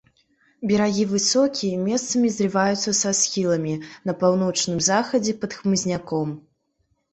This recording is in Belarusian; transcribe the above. Берагі высокія, месцамі зліваюцца са схіламі, на паўночным захадзе пад хмызняком.